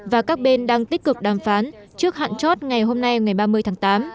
và các bên đang tích cực đàm phán trước hạn chót ngày hôm nay ngày ba mươi tháng tám